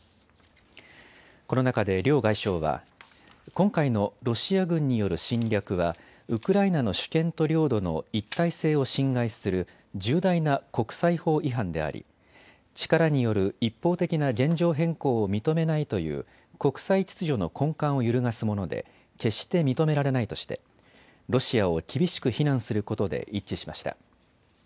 この中で両外相は今回のロシア軍による侵略はウクライナの主権と領土の一体性を侵害する重大な国際法違反であり力による一方的な現状変更を認めないという国際秩序の根幹を揺るがすもので決して認められないとしてロシアを厳しく非難することで一致しました。